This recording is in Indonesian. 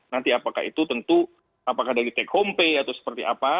nanti apakah itu tentu apakah dari take home pay atau seperti apa